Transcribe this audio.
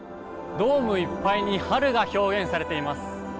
ドームいっぱいに春が表現されています。